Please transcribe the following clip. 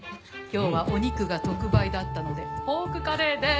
今日はお肉が特売だったのでポークカレーです。